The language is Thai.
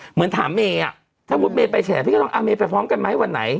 เหมือนถามเมฆถ้าเมฆไปแสนพี่ก็ต้องเอาเมฆไปพร้อมกันไหมวันไหน